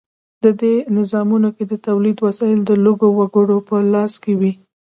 په دې نظامونو کې د تولید وسایل د لږو وګړو په لاس کې وي.